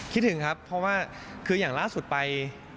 คิดถึงครับเพราะว่าคืออย่างล่าสุดไป